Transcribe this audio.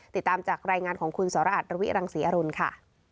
ติดตามจากรายงานของคุณสรอัตรวิรังศรีอรุณค่ะ